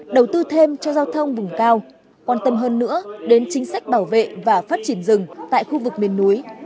đầu tư thêm cho giao thông vùng cao quan tâm hơn nữa đến chính sách bảo vệ và phát triển rừng tại khu vực miền núi